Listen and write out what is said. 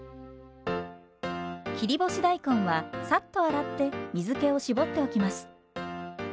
切り干し大根はサッと洗って水けをしぼっておきます。